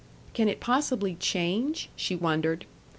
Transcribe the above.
"Can it possibly change?" she wondered.